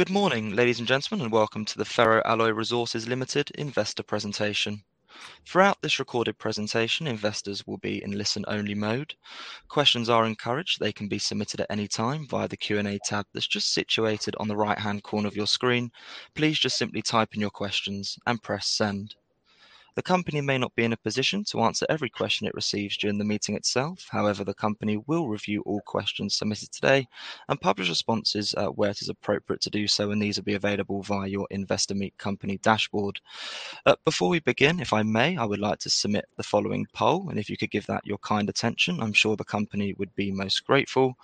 Good morning, ladies and gentlemen, and welcome to the Ferro-Alloy Resources Limited investor presentation. Throughout this recorded presentation, investors will be in listen-only mode. Questions are encouraged. They can be submitted at any time via the Q&A tab that's just situated on the right-hand corner of your screen. Please just simply type in your questions and press Send. The company may not be in a position to answer every question it receives during the meeting itself. However, the company will review all questions submitted today and publish responses, where it is appropriate to do so, and these will be available via your Investor Meet Company dashboard. Before we begin, if I may, I would like to submit the following poll, and if you could give that your kind attention, I'm sure the company would be most grateful.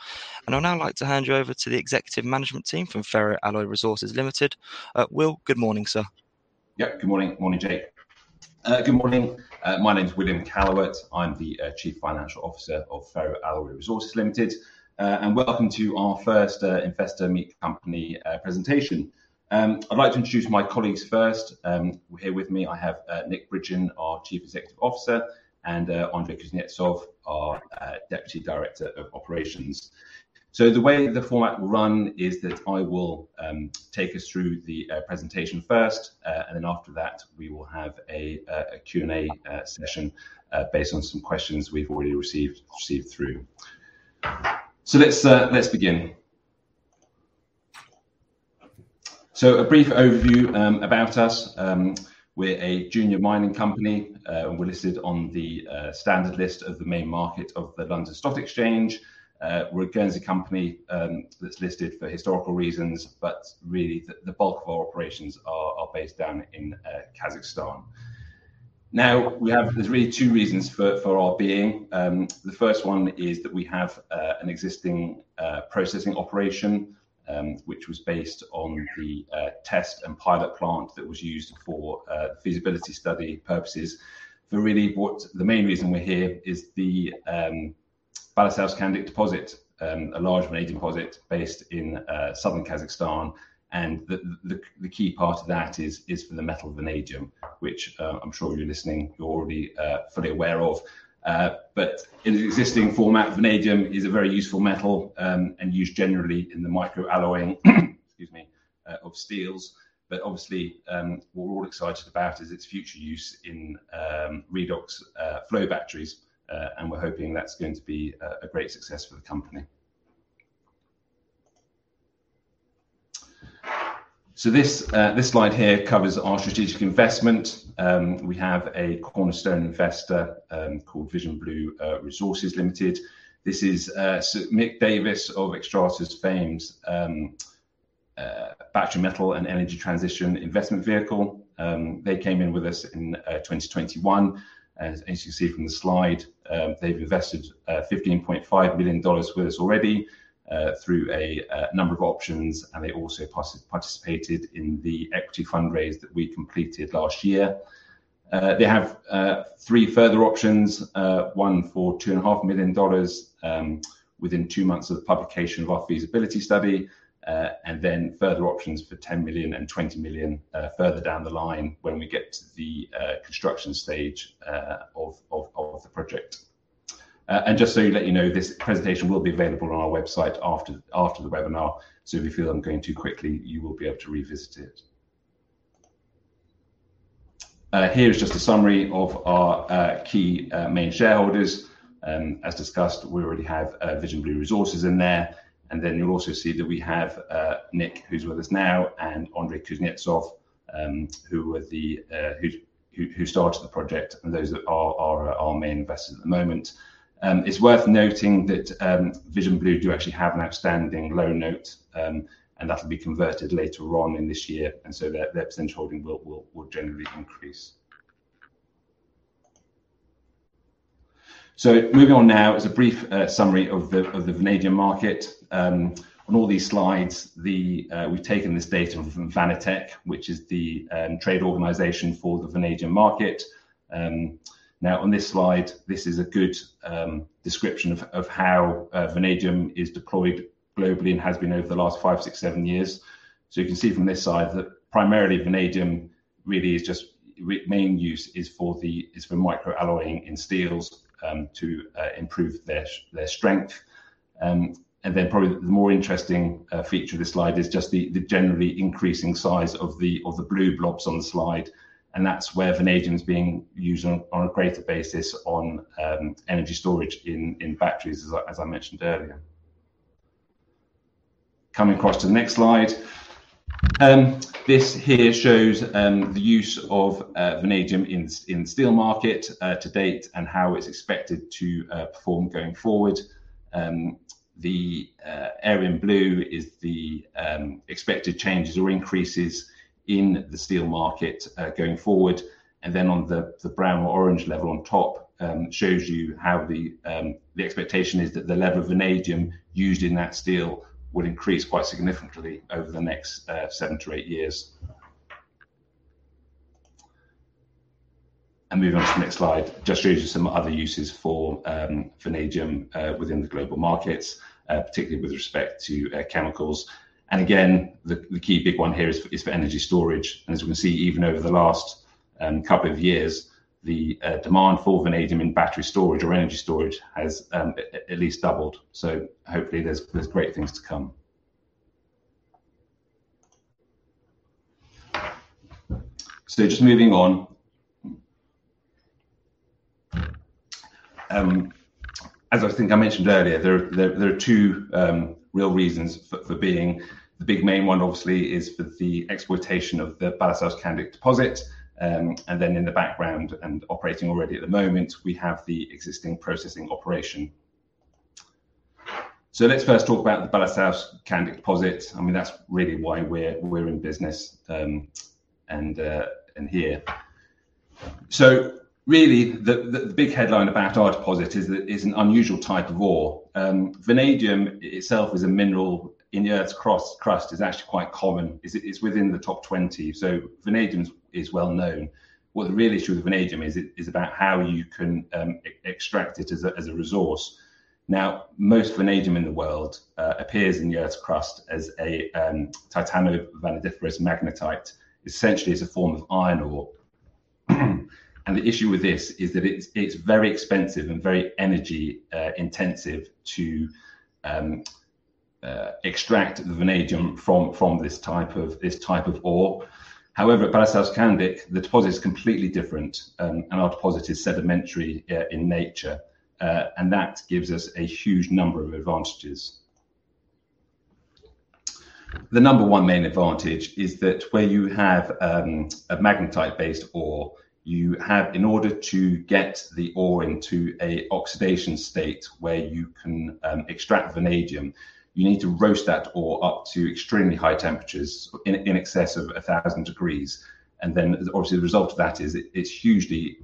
I'd now like to hand you over to the executive management team from Ferro-Alloy Resources Limited. Will, good morning, sir. Yep, good morning. Morning, Jake. Good morning. My name's William Callewaert. I'm the Chief Financial Officer of Ferro-Alloy Resources Limited. Welcome to our first Investor Meet Company presentation. I'd like to introduce my colleagues first. Here with me I have Nick Bridgen, our Chief Executive Officer; and Andrey Kuznetsov, our Deputy Director of Operations. The way the format will run is that I will take us through the presentation first, and then after that we will have a Q&A session based on some questions we've already received through. Let's begin. A brief overview about us. We're a junior mining company, and we're listed on the standard list of the main market of the London Stock Exchange. We're a Guernsey company that's listed for historical reasons, but really the bulk of our operations are based down in Kazakhstan. There's really two reasons for our being. The first one is that we have an existing processing operation which was based on the test and pilot plant that was used for feasibility study purposes. Really what the main reason we're here is the Balasausqandiq deposit, a large vanadium deposit based in southern Kazakhstan, and the key part of that is for the metal vanadium, which I'm sure if you're listening, you're already fully aware of. In existing form, vanadium is a very useful metal and used generally in the microalloying, excuse me, of steels. Obviously, what we're all excited about is its future use in redox flow batteries, and we're hoping that's going to be a great success for the company. This slide here covers our strategic investment. We have a cornerstone investor called Vision Blue Resources Limited. This is Sir Mick Davis of Xstrata's famed battery metal and energy transition investment vehicle. They came in with us in 2021. As you see from the slide, they've invested $15.5 million with us already through a number of options, and they also participated in the equity fundraise that we completed last year. They have three further options, one for $2.5 million within two months of the publication of our feasibility study, and then further options for $10 million and $20 million further down the line when we get to the construction stage of the project. Just so to let you know, this presentation will be available on our website after the webinar, so if you feel I'm going too quickly, you will be able to revisit it. Here is just a summary of our key main shareholders. As discussed, we already have Vision Blue Resources in there. You'll also see that we have Nick, who's with us now, and Andrey Kuznetsov, who started the project, and those that are our main investors at the moment. It's worth noting that Vision Blue do actually have an outstanding loan note, and that'll be converted later on in this year, and so their percentage holding will generally increase. Moving on now is a brief summary of the vanadium market. On all these slides, we've taken this data from Vanitec, which is the trade organization for the vanadium market. On this slide, this is a good description of how vanadium is deployed globally and has been over the last five, six, seven years. You can see from this slide that primarily, vanadium really is just main use is for microalloying in steels to improve their strength. Probably the more interesting feature of this slide is just the generally increasing size of the blue blobs on the slide, and that's where vanadium's being used on a greater basis on energy storage in batteries, as I mentioned earlier. Coming across to the next slide. This here shows the use of vanadium in steel market to date and how it's expected to perform going forward. The area in blue is the expected changes or increases in the steel market going forward. Then on the brown or orange level on top shows you how the expectation is that the level of vanadium used in that steel would increase quite significantly over the next seven to eight years. Moving on to the next slide just shows you some other uses for vanadium within the global markets particularly with respect to chemicals. Again the key big one here is for energy storage. As we can see even over the last couple of years the demand for vanadium in battery storage or energy storage has at least doubled. Hopefully there's great things to come. Just moving on. As I think I mentioned earlier there are two real reasons for being. The big main one obviously is for the exploitation of the Balasausqandiq deposit. In the background and operating already at the moment, we have the existing processing operation. Let's first talk about the Balasausqandiq deposit. I mean, that's really why we're in business, and here. Really the big headline about our deposit is that it's an unusual type of ore. Vanadium itself is a mineral in the Earth's crust, is actually quite common. It's within the top 20. Vanadium is well known. What the real issue with vanadium is about how you can extract it as a resource. Now, most vanadium in the world appears in the Earth's crust as a titanovanadiferous magnetite. Essentially as a form of iron ore. The issue with this is that it's very expensive and very energy intensive to extract the vanadium from this type of ore. However, at Balasausqandiq, the deposit is completely different, and our deposit is sedimentary in nature. That gives us a huge number of advantages. The number one main advantage is that where you have a magnetite-based ore, in order to get the ore into an oxidation state where you can extract vanadium, you need to roast that ore up to extremely high temperatures in excess of 1,000 degrees. Then obviously the result of that is it's hugely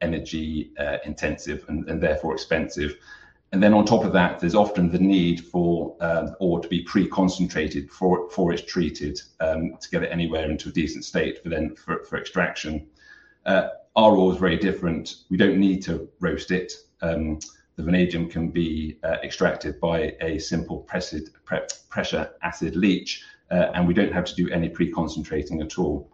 energy intensive and therefore expensive. On top of that, there's often the need for ore to be pre-concentrated before it's treated to get it anywhere into a decent state for extraction. Our ore is very different. We don't need to roast it. The vanadium can be extracted by a simple pressure acid leach. We don't have to do any pre-concentrating at all.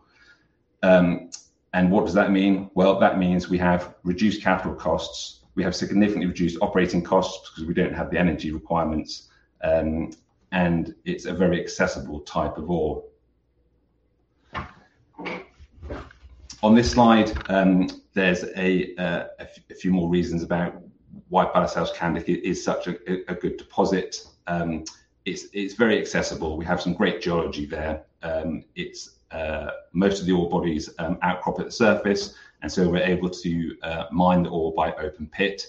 And what does that mean? Well, that means we have reduced capital costs, we have significantly reduced operating costs because we don't have the energy requirements, and it's a very accessible type of ore. On this slide, there's a few more reasons about why Balasausqandiq is such a good deposit. It's very accessible. We have some great geology there. It's most of the ore bodies outcrop at the surface, and so we're able to mine the ore by open-pit.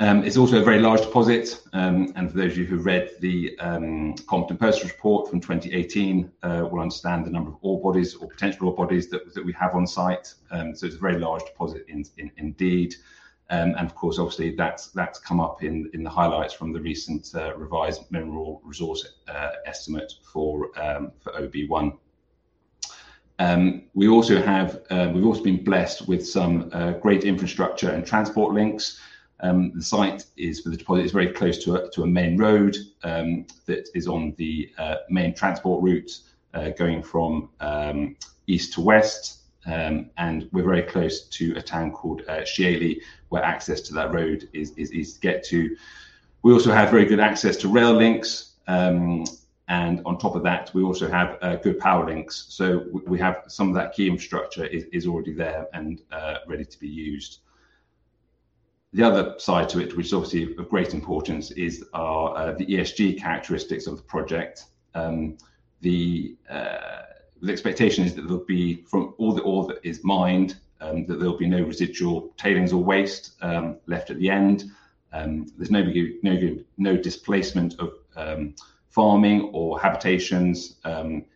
It's also a very large deposit. For those of you who've read the Competent Person's Report from 2018 will understand the number of ore bodies or potential ore bodies that we have on site. It's a very large deposit indeed. Of course, obviously that's come up in the highlights from the recent revised mineral resource estimate for OB1. We've also been blessed with some great infrastructure and transport links. The site for the deposit is very close to a main road that is on the main transport route going from east to west. We're very close to a town called Shieli, where access to that road is easy to get to. We also have very good access to rail links. On top of that, we also have good power links. We have some of that key infrastructure that is already there and ready to be used. The other side to it, which is obviously of great importance, is the ESG characteristics of the project. The expectation is that from all the ore that is mined, there'll be no residual tailings or waste left at the end. There's no displacement of farming or habitations. The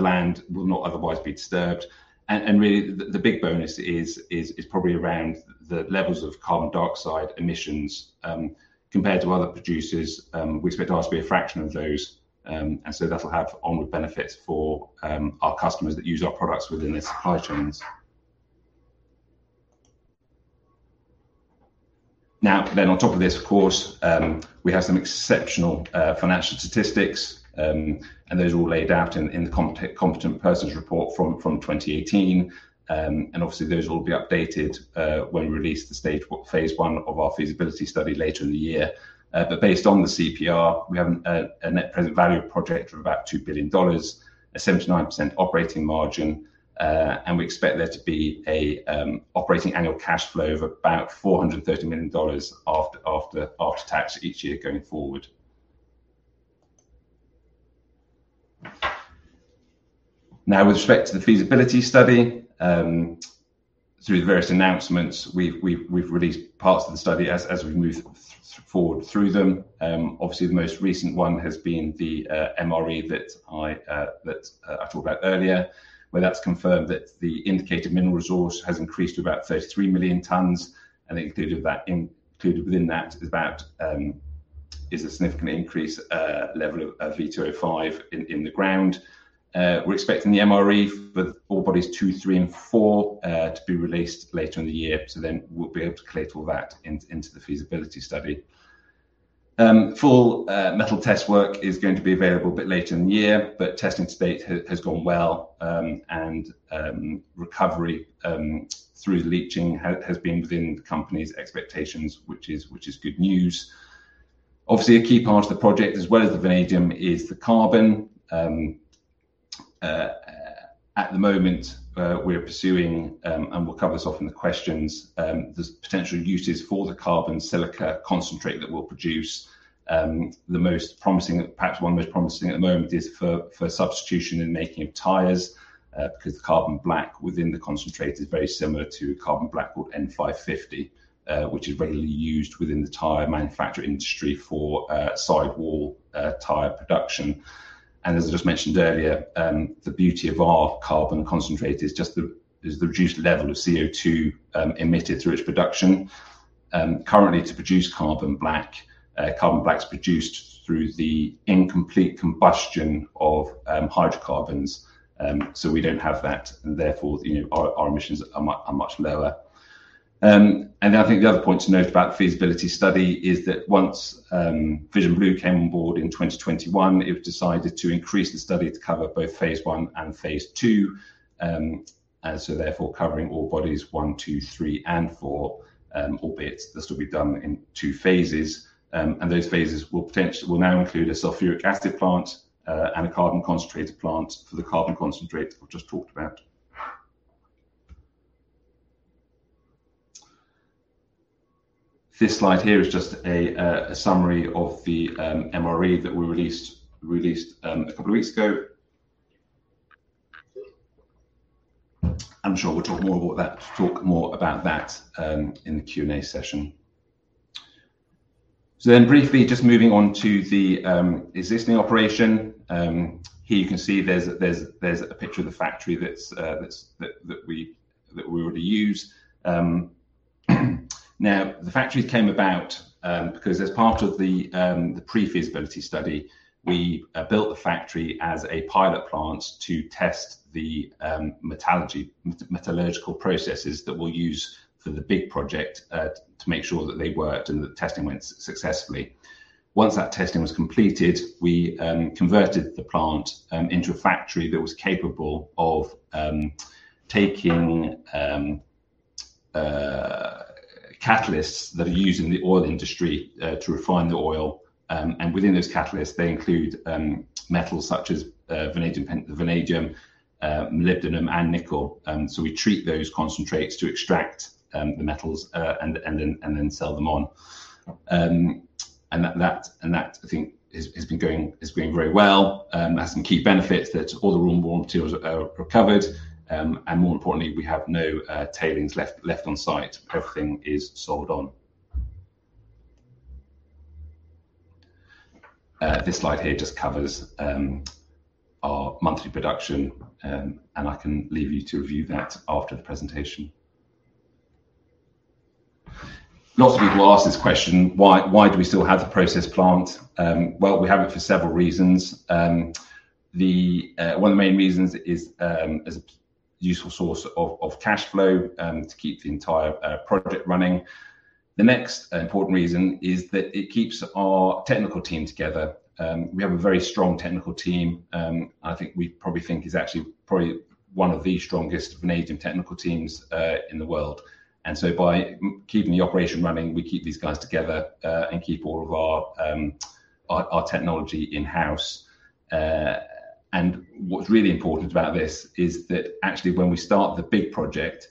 land will not otherwise be disturbed. Really the big bonus is probably around the levels of carbon dioxide emissions compared to other producers. We expect ours to be a fraction of those. That'll have onward benefits for our customers that use our products within their supply chains. Now then on top of this, of course, we have some exceptional financial statistics. Those are all laid out in the Competent Person's Report from 2018. Obviously those will be updated when we release phase I of our feasibility study later in the year. Based on the CPR, we have a net present value project of about $2 billion, a 79% operating margin, and we expect there to be a operating annual cash flow of about $430 million after tax each year going forward. Now with respect to the feasibility study, through the various announcements, we've released parts of the study as we've moved forward through them. Obviously the most recent one has been the MRE that I talked about earlier, where that's confirmed that the indicated mineral resource has increased to about 33 million tons. Included within that is a significant increase level of V2O5 in the ground. We're expecting the MRE for ore bodies two, three and four to be released later in the year. We'll be able to collate all that into the feasibility study. Full metallurgical test work is going to be available a bit later in the year, but testing to date has gone well, and recovery through leaching has been within the company's expectations which is good news. Obviously, a key part of the project as well as the vanadium is the carbon. At the moment, we're pursuing, and we'll cover this off in the questions, the potential uses for the carbon silica concentrate that we'll produce. The most promising. Perhaps one of the most promising at the moment is for substitution in making of tires, because the carbon black within the concentrate is very similar to a carbon black called N550, which is regularly used within the tire manufacturer industry for sidewall tire production. As I just mentioned earlier, the beauty of our carbon concentrate is just the reduced level of CO2 emitted through its production. Currently to produce carbon black, carbon black's produced through the incomplete combustion of hydrocarbons, so we don't have that and therefore, you know, our emissions are much lower. I think the other point to note about feasibility study is that once Vision Blue came on board in 2021, it decided to increase the study to cover both phase I and phase II, and so therefore covering all ore bodies one, two, three, and four, albeit this will be done in two phases. Those phases will now include a sulfuric acid plant, and a carbon concentrator plant for the carbon concentrate I've just talked about. This slide here is just a summary of the MRE that we released a couple of weeks ago. I'm sure we'll talk more about that in the Q&A session. Briefly just moving on to the existing operation. Here you can see there's a picture of the factory that we already use. Now the factory came about because as part of the pre-feasibility study, we built the factory as a pilot plant to test the metallurgical processes that we'll use for the big project to make sure that they worked and the testing went successfully. Once that testing was completed, we converted the plant into a factory that was capable of taking catalysts that are used in the oil industry to refine the oil. Within those catalysts they include metals such as vanadium, molybdenum and nickel. We treat those concentrates to extract the metals and then sell them on. That I think is going very well. It has some key benefits that all the raw materials are recovered, and more importantly, we have no tailings left on site. Everything is sold on. This slide here just covers our monthly production, and I can leave you to review that after the presentation. Lots of people ask this question, why do we still have the process plant? Well, we have it for several reasons. The one of the main reasons is as a useful source of cash flow to keep the entire project running. The next important reason is that it keeps our technical team together. We have a very strong technical team, and I think it is actually probably one of the strongest vanadium technical teams in the world. By keeping the operation running, we keep these guys together, and keep all of our technology in-house. What's really important about this is that actually when we start the big project,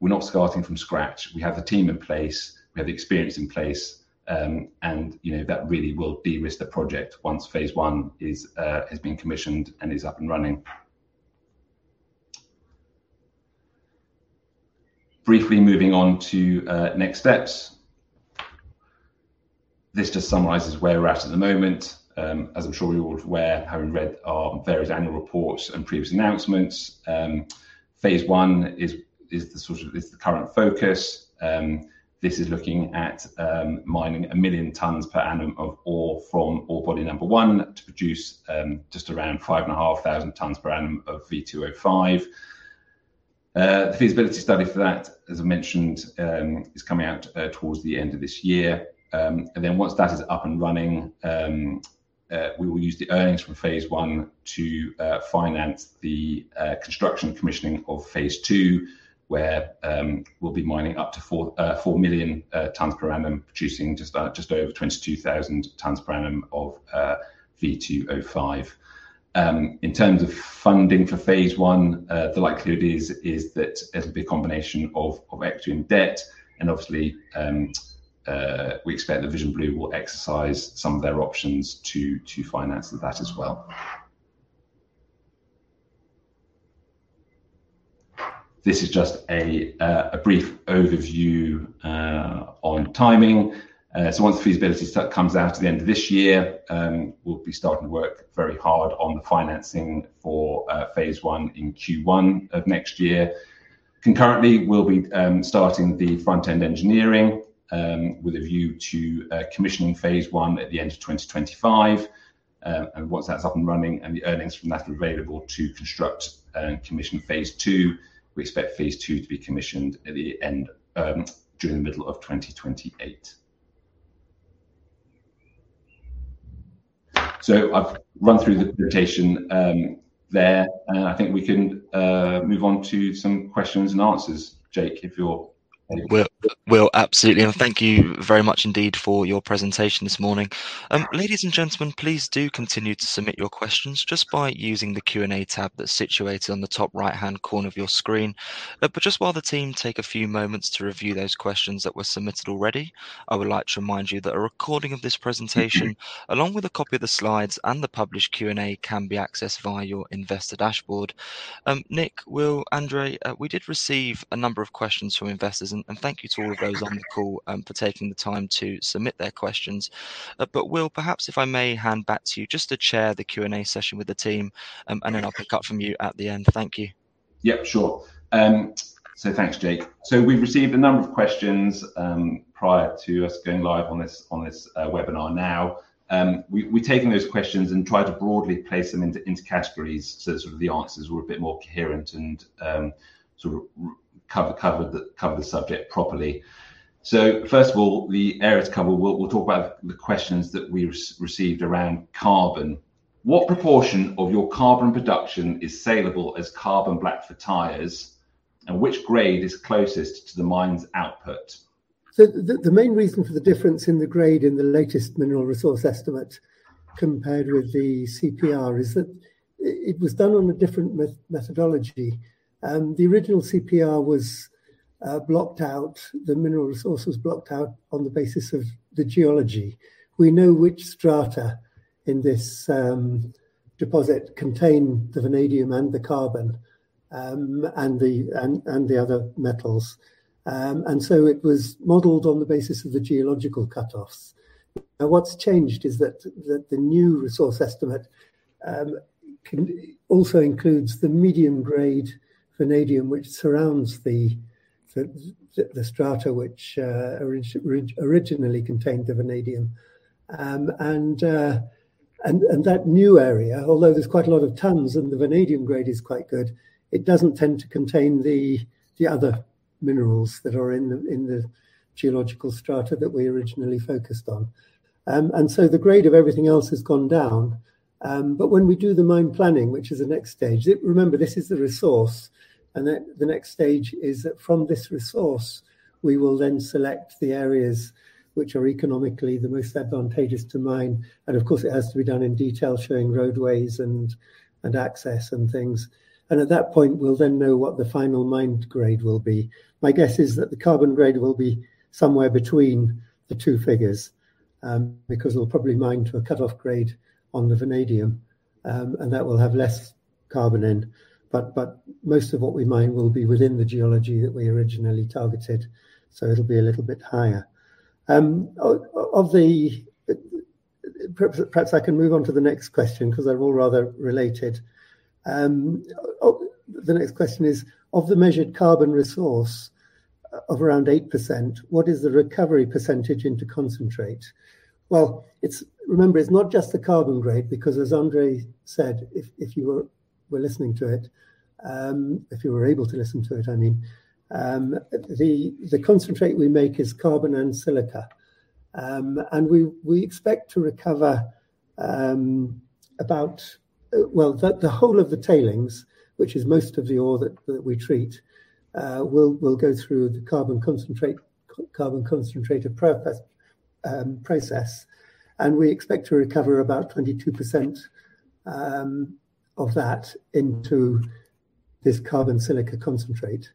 we're not starting from scratch. We have the team in place, we have the experience in place, and you know, that really will de-risk the project once phase I has been commissioned and is up and running. Briefly moving on to next steps. This just summarizes where we're at the moment. As I'm sure you're all aware, having read our various annual reports and previous announcements, phase I is the current focus. This is looking at mining 1 million tons per annum of ore from ore body number one to produce just around 5,500 tons per annum of V2O5. The feasibility study for that, as I mentioned, is coming out towards the end of this year. Once that is up and running, we will use the earnings from phase I to finance the construction commissioning of phase II, where we'll be mining up to 4 million tons per annum, producing just over 22,000 tons per annum of V2O5. In terms of funding for phase I, the likelihood is that it'll be a combination of equity and debt and obviously we expect that Vision Blue will exercise some of their options to finance that as well. This is just a brief overview on timing. Once the feasibility study comes out at the end of this year, we'll be starting to work very hard on the financing for phase I in Q1 of next year. Concurrently, we'll be starting the front-end engineering with a view to commissioning phase I at the end of 2025. Once that's up and running and the earnings from that are available to construct and commission phase II, we expect phase II to be commissioned at the end during the middle of 2028. I've run through the presentation, there, and I think we can move on to some questions and answers. Jake, if you're anywhere. Will, absolutely. Thank you very much indeed for your presentation this morning. Ladies and gentlemen, please do continue to submit your questions just by using the Q&A tab that's situated on the top right-hand corner of your screen. Just while the team take a few moments to review those questions that were submitted already, I would like to remind you that a recording of this presentation, along with a copy of the slides and the published Q&A, can be accessed via your Investor dashboard. Nick, Will, Andrey, we did receive a number of questions from investors, and thank you to all of those on the call for taking the time to submit their questions. Will, perhaps if I may hand back to you just to chair the Q&A session with the team, and then I'll pick up from you at the end. Thank you. Yep, sure. Thanks, Jake. We've received a number of questions prior to us going live on this webinar now. We've taken those questions and tried to broadly place them into categories, so sort of the answers were a bit more coherent and sort of cover the subject properly. First of all, the area to cover, we'll talk about the questions that we received around carbon. What proportion of your carbon production is saleable as carbon black for tires, and which grade is closest to the mine's output? The main reason for the difference in the grade in the latest mineral resource estimate compared with the CPR is that it was done on a different methodology. The original CPR was blocked out, the mineral resource was blocked out on the basis of the geology. We know which strata in this deposit contain the vanadium and the carbon and the other metals. It was modeled on the basis of the geological cutoffs. Now, what's changed is that the new resource estimate also includes the medium-grade vanadium, which surrounds the strata which originally contained the vanadium. That new area, although there's quite a lot of tons and the vanadium grade is quite good, it doesn't tend to contain the other minerals that are in the geological strata that we originally focused on. The grade of everything else has gone down. When we do the mine planning, which is the next stage, remember, this is the resource, and the next stage is that from this resource, we will then select the areas which are economically the most advantageous to mine. Of course, it has to be done in detail showing roadways and access and things. At that point, we'll then know what the final mined grade will be. My guess is that the carbon grade will be somewhere between the two figures, because we'll probably mine to a cutoff grade on the vanadium, and that will have less carbon in. Most of what we mine will be within the geology that we originally targeted, so it'll be a little bit higher. Perhaps I can move on to the next question 'cause they're all rather related. Oh, the next question is, of the measured carbon resource of around 8%, what is the recovery percentage into concentrate? Well, remember, it's not just the carbon grade because as Andrey said, if you were listening to it, if you were able to listen to it, I mean, the concentrate we make is carbon and silica. We expect to recover about well the whole of the tailings, which is most of the ore that we treat, will go through the carbon concentrator process, and we expect to recover about 22% of that into this carbon silica concentrate.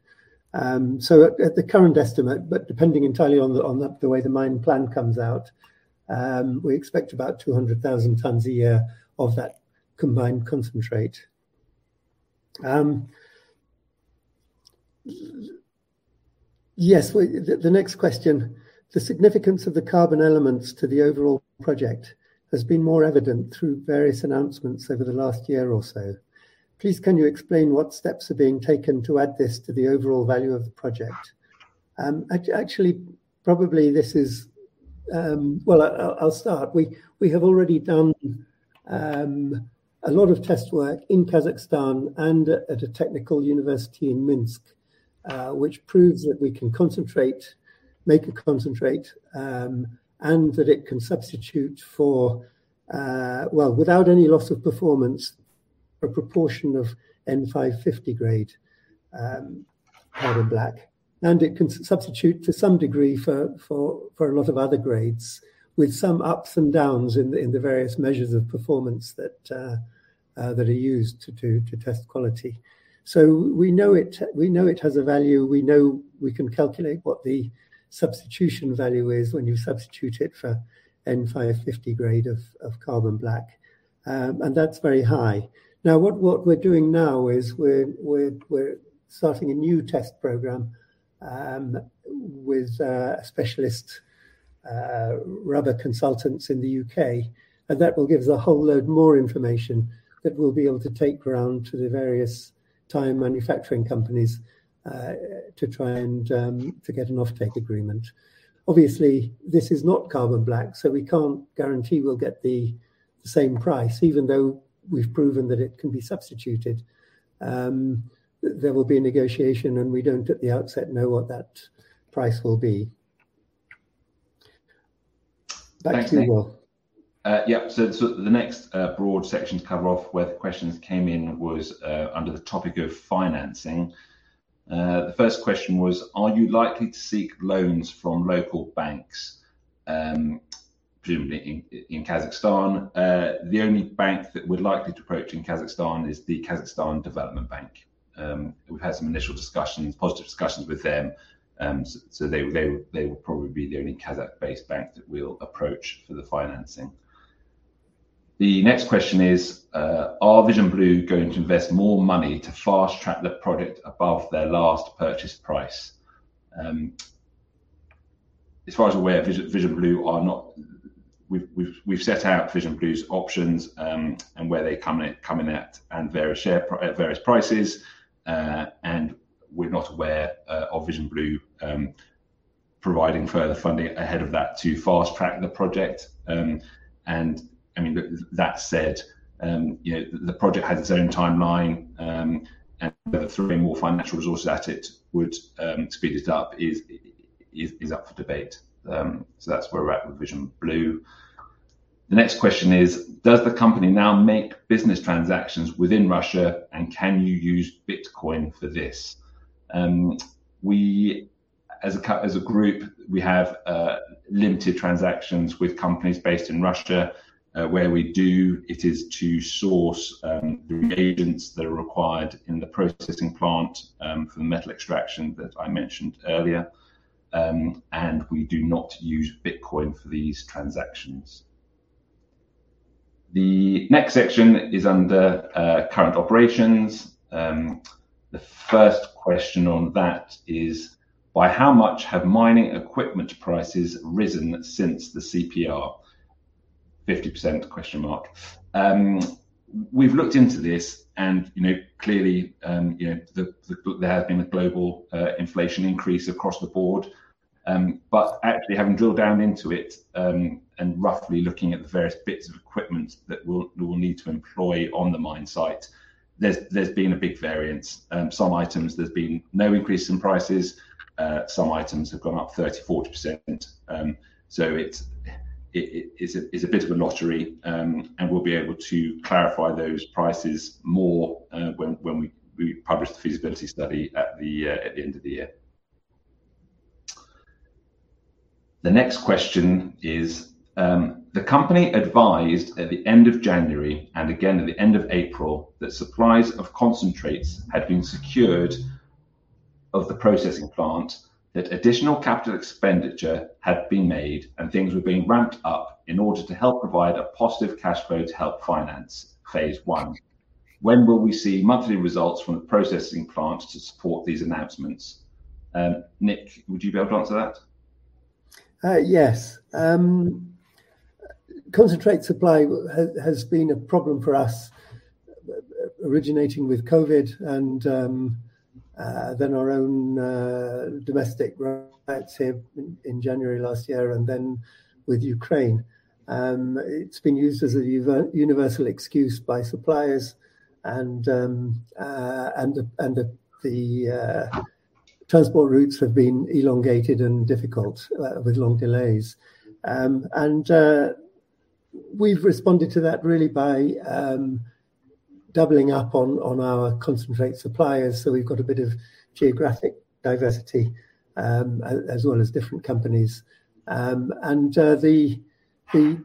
At the current estimate, but depending entirely on the way the mine plan comes out, we expect about 200,000 tons a year of that combined concentrate. Yes, the next question. The significance of the carbon elements to the overall project has been more evident through various announcements over the last year or so. Please can you explain what steps are being taken to add this to the overall value of the project? Actually, probably this is. Well, I'll start. We have already done a lot of test work in Kazakhstan and at a technical university in Minsk, which proves that we can concentrate, make a concentrate, and that it can substitute for, well, without any loss of performance, a proportion of N550 grade carbon black. It can substitute to some degree for a lot of other grades with some ups and downs in the various measures of performance that are used to test quality. We know it has a value. We know we can calculate what the substitution value is when you substitute it for N550 grade of carbon black. That's very high. What we're doing now is we're starting a new test program with specialist rubber consultants in the U.K., and that will give us a whole load more information that we'll be able to take around to the various tire manufacturing companies to try and get an offtake agreement. Obviously, this is not carbon black, so we can't guarantee we'll get the same price. Even though we've proven that it can be substituted, there will be a negotiation, and we don't at the outset know what that price will be. Thanks, Nick. Yeah. The next broad section to cover off where the questions came in was under the topic of financing. The first question was: Are you likely to seek loans from local banks, presumably in Kazakhstan? The only bank that we're likely to approach in Kazakhstan is the Kazakhstan Development Bank. We've had some initial discussions, positive discussions with them, so they will probably be the only Kazakh-based bank that we'll approach for the financing. The next question is: Are Vision Blue going to invest more money to fast-track the product above their last purchase price? As far as we're aware, Vision Blue are not. We've set out Vision Blue's options, and where they're coming at and various share at various prices. We're not aware of Vision Blue providing further funding ahead of that to fast-track the project. I mean, that said, you know, the project has its own timeline, and whether throwing more financial resources at it would speed it up is up for debate. That's where we're at with Vision Blue. The next question is: Does the company now make business transactions within Russia, and can you use Bitcoin for this? We as a group have limited transactions with companies based in Russia. Where we do, it is to source the reagents that are required in the processing plant for the metal extraction that I mentioned earlier. We do not use Bitcoin for these transactions. The next section is under current operations. The first question on that is: By how much have mining equipment prices risen since the CPR? 50%? We've looked into this and, you know, clearly, there has been a global inflation increase across the board. Actually having drilled down into it, and roughly looking at the various bits of equipment that we'll need to employ on the mine site, there's been a big variance. Some items there's been no increase in prices. Some items have gone up 30%-40%. It's a bit of a lottery. We'll be able to clarify those prices more, when we publish the feasibility study at the end of the year. The next question is: The company advised at the end of January, and again at the end of April, that supplies of concentrates had been secured for the processing plant, that additional capital expenditure had been made and things were being ramped up in order to help provide a positive cash flow to help finance phase I. When will we see monthly results from the processing plant to support these announcements? Nick, would you be able to answer that? Yes. Concentrate supply has been a problem for us originating with COVID and then our own domestic riots here in January last year and then with Ukraine. It's been used as a universal excuse by suppliers and the transport routes have been elongated and difficult with long delays. We've responded to that really by doubling up on our concentrate suppliers. We've got a bit of geographic diversity as well as different companies. The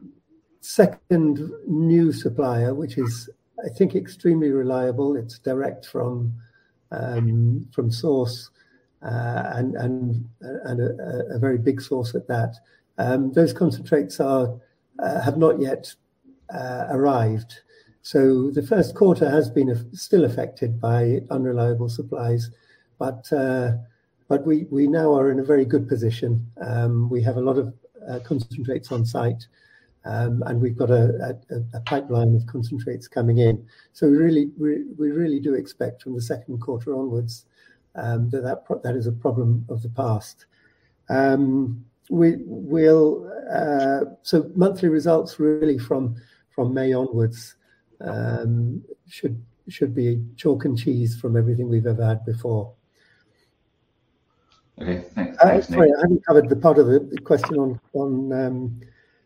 second new supplier, which I think is extremely reliable, is direct from source and a very big source at that. Those concentrates have not yet arrived. The first quarter has been still affected by unreliable supplies, but we now are in a very good position. We have a lot of concentrates on site, and we've got a pipeline of concentrates coming in. We really do expect from the second quarter onwards that is a problem of the past. Monthly results really from May onwards should be chalk and cheese from everything we've ever had before. Okay. Thanks. Sorry, I haven't covered the part of the question on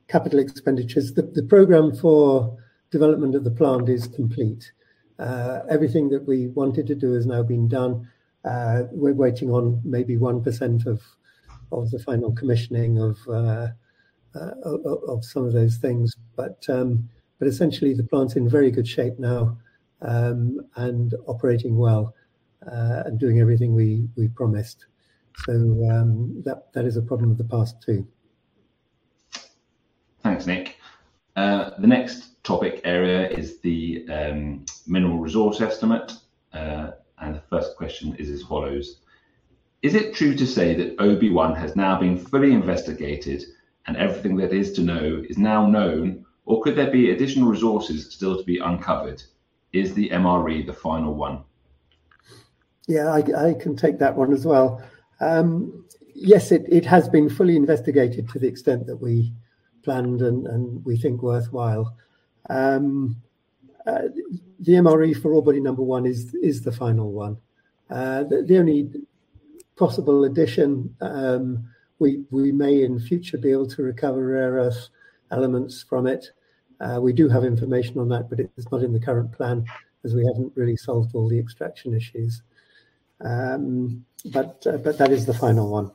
capital expenditures. The program for development of the plant is complete. Everything that we wanted to do has now been done. We're waiting on maybe 1% of the final commissioning of some of those things. Essentially the plant's in very good shape now, and operating well, and doing everything we promised. That is a problem of the past too. Thanks, Nick. The next topic area is the mineral resource estimate, and the first question is as follows: Is it true to say that OB1 has now been fully investigated and everything there is to know is now known, or could there be additional resources still to be uncovered? Is the MRE the final one? Yeah, I can take that one as well. Yes, it has been fully investigated to the extent that we planned and we think worthwhile. The MRE for ore body number one is the final one. The only possible addition, we may in future be able to recover rare earth elements from it. We do have information on that, but it is not in the current plan as we haven't really solved all the extraction issues. That is the final one.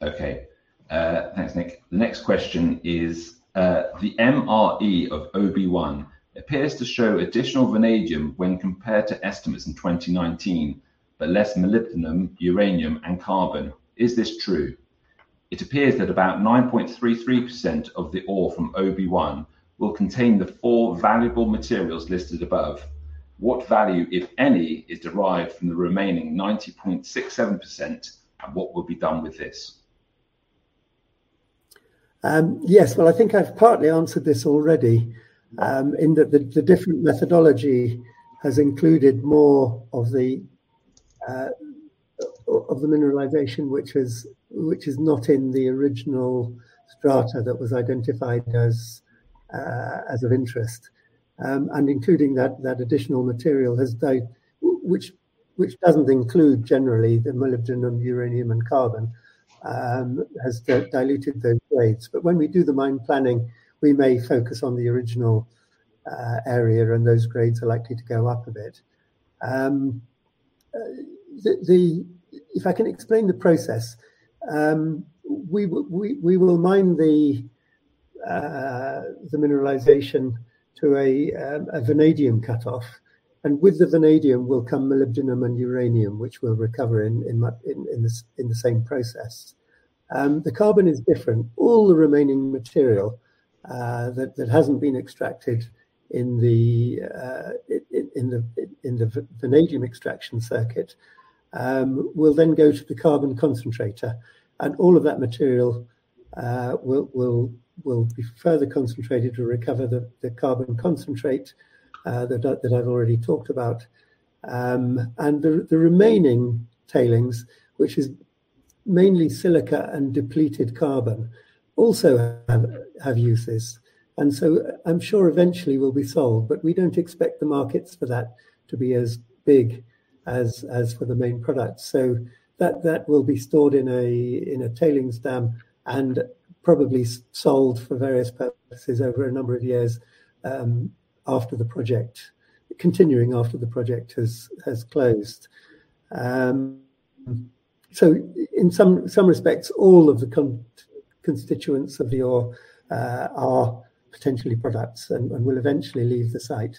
Okay. Thanks, Nick. The next question is, the MRE of OB1 appears to show additional vanadium when compared to estimates in 2019, but less molybdenum, uranium, and carbon. Is this true? It appears that about 9.33% of the ore from OB1 will contain the four valuable materials listed above. What value, if any, is derived from the remaining 90.67%, and what will be done with this? Yes. Well, I think I've partly answered this already, in that the different methodology has included more of the mineralization, which is not in the original strata that was identified as of interest. Including that additional material, which doesn't include generally the molybdenum, uranium, and carbon, has diluted those grades. When we do the mine planning, we may focus on the original area, and those grades are likely to go up a bit. If I can explain the process, we will mine the mineralization to a vanadium cutoff. With the vanadium will come molybdenum and uranium, which we'll recover in the same process. The carbon is different. All the remaining material that hasn't been extracted in the vanadium extraction circuit will then go to the carbon concentrator. All of that material will be further concentrated to recover the carbon concentrate that I've already talked about. The remaining tailings, which is mainly silica and depleted carbon, also have uses. I'm sure eventually will be sold, but we don't expect the markets for that to be as big as for the main products. That will be stored in a tailings dam and probably sold for various purposes over a number of years after the project, continuing after the project has closed. In some respects, all of the constituents of the ore are potentially products and will eventually leave the site.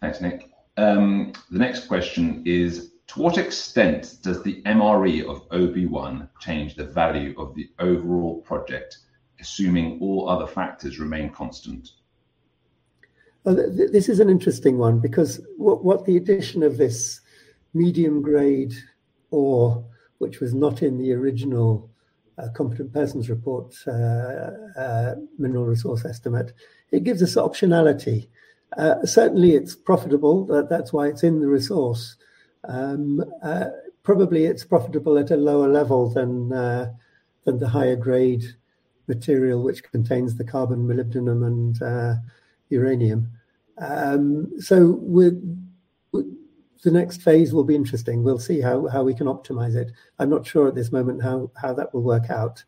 Thanks, Nick. The next question is: To what extent does the MRE of OB1 change the value of the overall project, assuming all other factors remain constant? Well, this is an interesting one because with the addition of this medium-grade ore, which was not in the original Competent Person's Report, mineral resource estimate, it gives us optionality. Certainly it's profitable. That's why it's in the resource. Probably it's profitable at a lower level than the higher grade material, which contains the carbon, molybdenum, and uranium. The next phase will be interesting. We'll see how we can optimize it. I'm not sure at this moment how that will work out.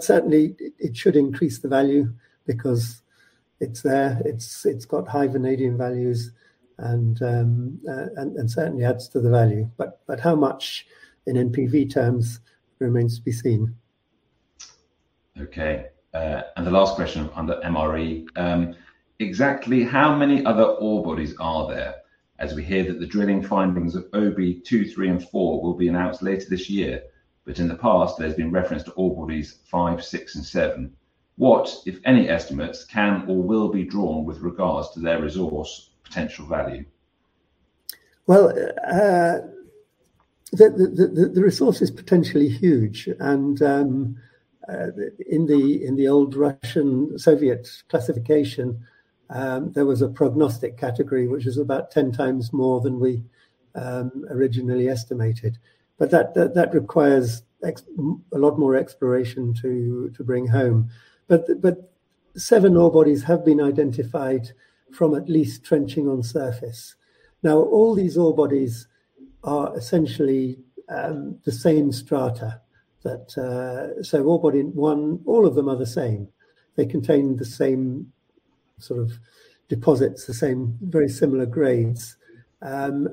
Certainly it should increase the value because it's there. It's got high vanadium values and certainly adds to the value. How much in NPV terms remains to be seen. Okay, the last question under MRE. Exactly how many other ore bodies are there, as we hear that the drilling findings of OB2, OB3, and OB4 will be announced later this year? In the past, there's been reference to ore bodies five, six, and seven. What, if any, estimates can or will be drawn with regards to their resource potential value? The resource is potentially huge and in the old Russian Soviet classification there was a prognostic category, which is about 10x more than we originally estimated. That requires a lot more exploration to bring home. Seven ore bodies have been identified from at least trenching on surface. All these ore bodies are essentially the same strata that ore body one, all of them are the same. They contain the same sort of deposits, the same very similar grades. The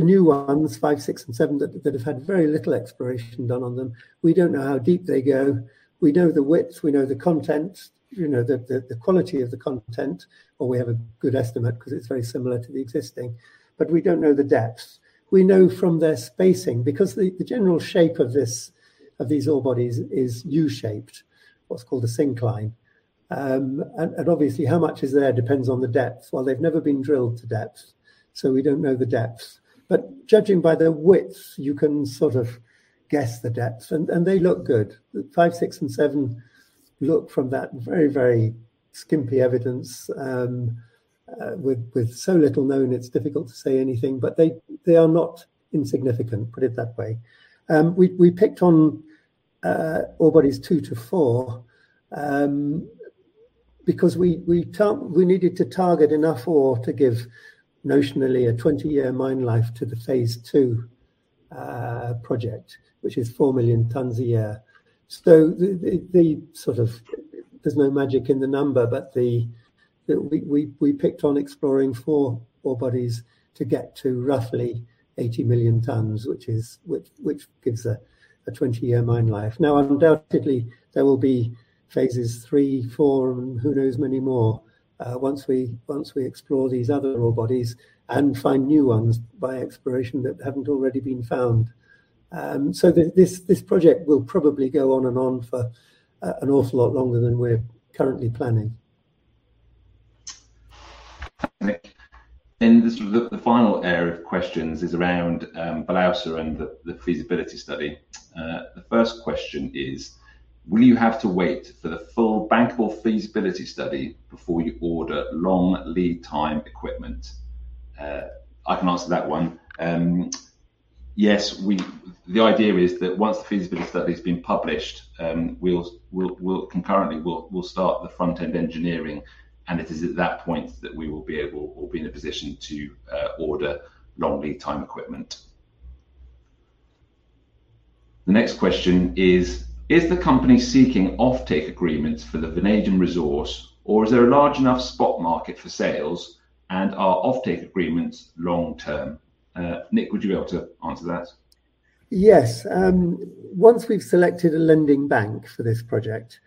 new ones, five, six, and seven, that have had very little exploration done on them. We don't know how deep they go. We know the widths, we know the content, you know, the quality of the content, or we have a good estimate 'cause it's very similar to the existing, but we don't know the depths. We know from their spacing because the general shape of these ore bodies is U-shaped, what's called a syncline. Obviously how much is there depends on the depth. Well, they've never been drilled to depth, so we don't know the depths. Judging by their widths, you can sort of guess the depths, and they look good. Five, six, and seven look from that very skimpy evidence, with so little known, it's difficult to say anything. They are not insignificant, put it that way. We picked on ore bodies two to four, because we can't. We needed to target enough ore to give notionally a 20-year mine life to the phase II project, which is 4 million tons a year. There's no magic in the number, but we picked on exploring four ore bodies to get to roughly 80 million tons, which gives a 20-year mine life. Now, undoubtedly, there will be phases III, IV, and who knows, many more, once we explore these other ore bodies and find new ones by exploration that haven't already been found. This project will probably go on and on for an awful lot longer than we're currently planning. Nick. The final area of questions is around Balasausqandiq and the feasibility study. The first question is. Will you have to wait for the full bankable feasibility study before you order long lead time equipment? I can answer that one. Yes. The idea is that once the feasibility study has been published, we'll concurrently start the front-end engineering, and it is at that point that we will be able or be in a position to order long lead time equipment. The next question is. Is the company seeking offtake agreements for the vanadium resource, or is there a large enough spot market for sales, and are offtake agreements long-term? Nick, would you be able to answer that? Yes. Once we've selected a lending bank for this project,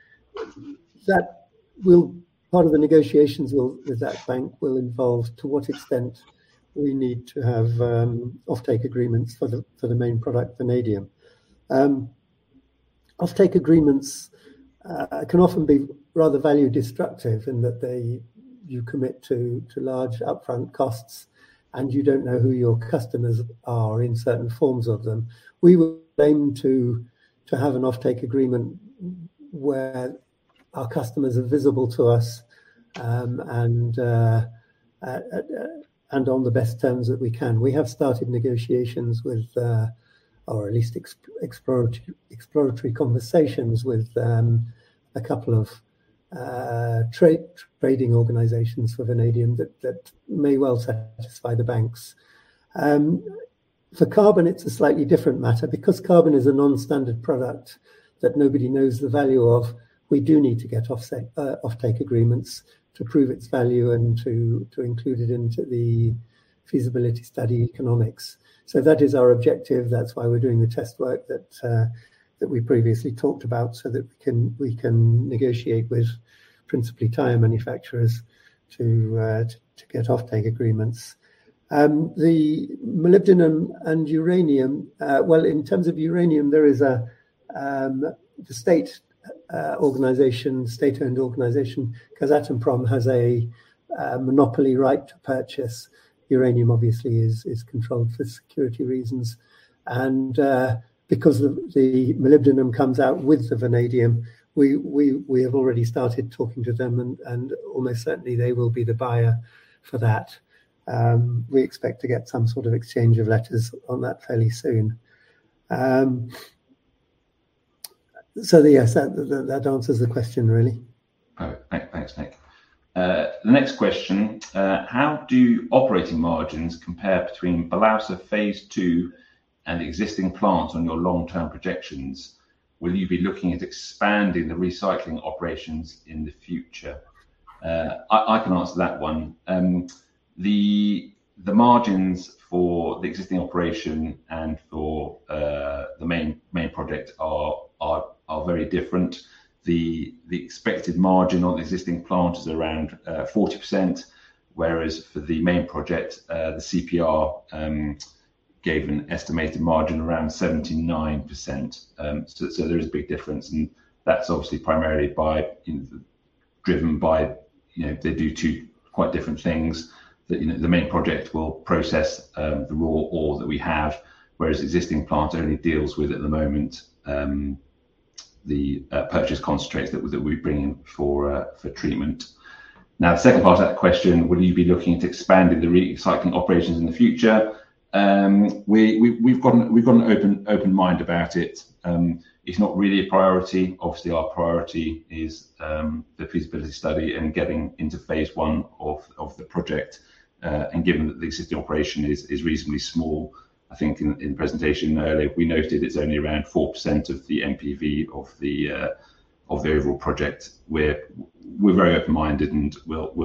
part of the negotiations with that bank will involve to what extent we need to have offtake agreements for the main product, vanadium. Offtake agreements can often be rather value destructive in that they you commit to large upfront costs, and you don't know who your customers are in certain forms of them. We will aim to have an offtake agreement where our customers are visible to us and on the best terms that we can. We have started negotiations with or at least exploratory conversations with a couple of trading organizations for vanadium that may well satisfy the banks. For carbon, it's a slightly different matter. Because carbon is a non-standard product that nobody knows the value of, we do need to get offtake agreements to prove its value and to include it into the feasibility study economics. That is our objective. That's why we're doing the test work that we previously talked about so that we can negotiate with principally tire manufacturers to get offtake agreements. The molybdenum and uranium, well, in terms of uranium, there is a state-owned organization, Kazatomprom, has a monopoly right to purchase. Uranium obviously is controlled for security reasons. Because the molybdenum comes out with the vanadium, we have already started talking to them and almost certainly they will be the buyer for that. We expect to get some sort of exchange of letters on that fairly soon. Yes, that answers the question really. All right. Thanks, Nick. The next question: How do operating margins compare between Balasausqandiq phase II and existing plants on your long-term projections? Will you be looking at expanding the recycling operations in the future? I can answer that one. The margins for the existing operation and for the main project are very different. The expected margin on the existing plant is around 40%, whereas for the main project, the CPR gave an estimated margin around 79%. There is a big difference, and that's obviously primarily driven by, you know, they do two quite different things, you know, the main project will process the raw ore that we have, whereas existing plant only deals with at the moment the purchase concentrates that we bring in for treatment. Now, the second part of that question, will you be looking at expanding the recycling operations in the future? We've got an open mind about it. It's not really a priority. Obviously, our priority is the feasibility study and getting into phase I of the project. Given that the existing operation is reasonably small, I think in the presentation earlier, we noted it's only around 4% of the NPV of the overall project. We're very open-minded and we'll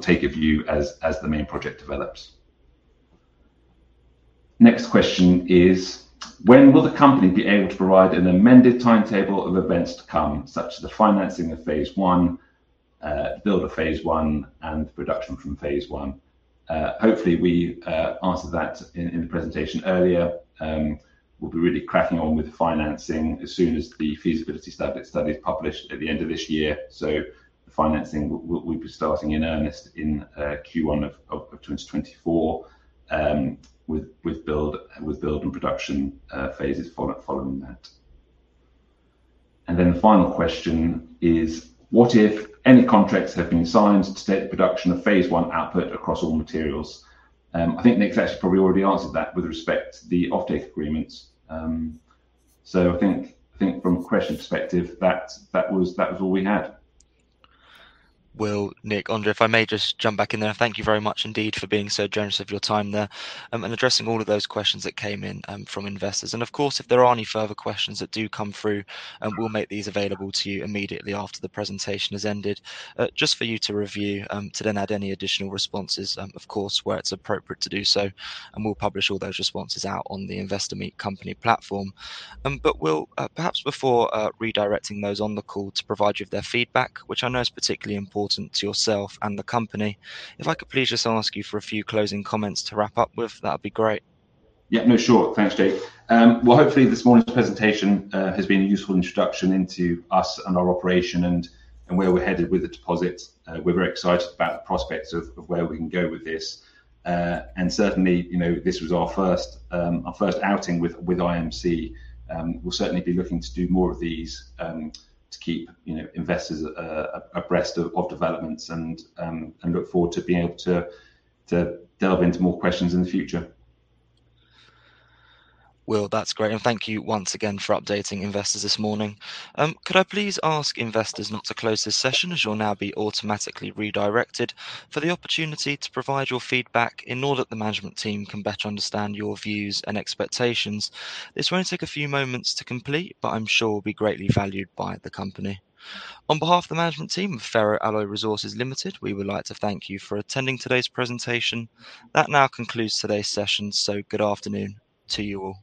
take a view as the main project develops. Next question is: When will the company be able to provide an amended timetable of events to come, such as the financing of phase I, build of phase I, and production from phase I? Hopefully we answered that in the presentation earlier. We'll be really cracking on with the financing as soon as the feasibility study is published at the end of this year. The financing will be starting in earnest in Q1 of 2024, with build and production phases following that. Then the final question is: What, if any, contracts have been signed to date, the production of phase I output across all materials? I think Nick's actually probably already answered that with respect to the offtake agreements. I think from a question perspective, that was all we had. Will, Nick, Andrey, if I may just jump back in there. Thank you very much indeed for being so generous of your time there, and addressing all of those questions that came in from investors. Of course, if there are any further questions that do come through, we'll make these available to you immediately after the presentation has ended, just for you to review, to then add any additional responses, of course, where it's appropriate to do so, and we'll publish all those responses out on the Investor Meet Company platform. Will, perhaps before redirecting those on the call to provide you with their feedback, which I know is particularly important to yourself and the company, if I could please just ask you for a few closing comments to wrap up with, that'd be great. Yeah. No, sure. Thanks, Jake. Well, hopefully this morning's presentation has been a useful introduction into us and our operation and where we're headed with the deposit. We're very excited about the prospects of where we can go with this. Certainly, you know, this was our first outing with IMC. We'll certainly be looking to do more of these to keep, you know, investors abreast of developments and look forward to being able to delve into more questions in the future. Will, that's great. Thank you once again for updating investors this morning. Could I please ask investors not to close this session as you'll now be automatically redirected for the opportunity to provide your feedback in order that the management team can better understand your views and expectations. This will only take a few moments to complete, but I'm sure will be greatly valued by the company. On behalf of the management team of Ferro-Alloy Resources Limited, we would like to thank you for attending today's presentation. That now concludes today's session, so good afternoon to you all.